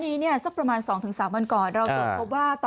นี้เนี่ยสักประมาณสองถึงสามวันก่อนเรารู้พบว่าต่อ